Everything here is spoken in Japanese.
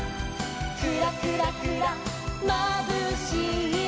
「クラクラクラまぶしいよ」